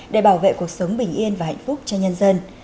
để bảo vệ cuộc sống bình yên và hạnh phúc cho nhân dân